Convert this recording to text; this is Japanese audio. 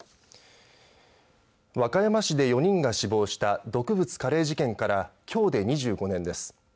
和歌山市で４人が死亡した毒物カレー事件からきょうで２５年です。